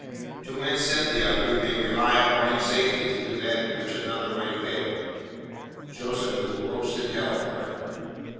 To win Cynthia, we may rely upon him safely to do that in which another might fail." "Joseph, you will roast in hell for it."